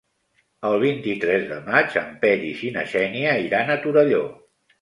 El vint-i-tres de maig en Peris i na Xènia iran a Torelló.